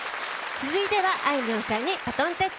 続いては、あいみょんさんにバトンタッチ。